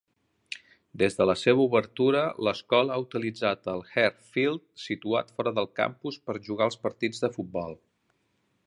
Des de la seva obertura, l'escola ha utilitzat el Hare Field situat fora del campus per jugar els partits de futbol.